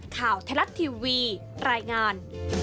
ข่าวไทยรัฐทีวีรายงาน